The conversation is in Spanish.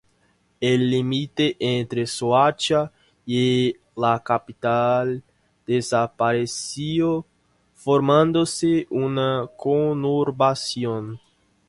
El límite entre Soacha y la capital desapareció, formándose una conurbación.